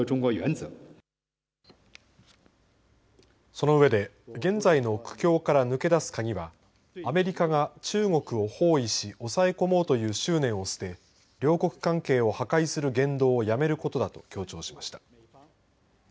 その上で現在の苦境から抜け出すカギはアメリカか中国を包囲し抑え込もうという執念を捨て両国関係を破壊する言動をやめることだと強調しました。